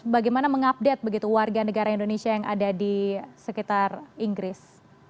bagaimana mengupdate warga negara indonesia yang ada di sekitar inggris